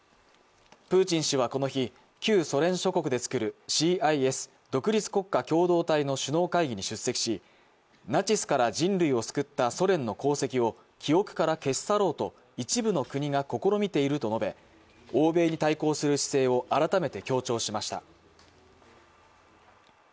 プーチン氏はこの日、旧ソ連諸国でつくるＣＩＳ＝独立国家共同体の首脳会議に出席し、ナチスから人類を救ったソ連の功績を記憶から消し去ろうと一部の国が試みていると述べ欧米に対抗する姿勢を改めて強調しました。